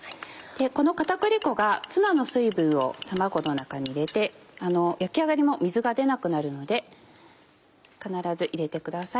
この片栗粉がツナの水分を卵の中に入れて焼き上がりも水が出なくなるので必ず入れてください。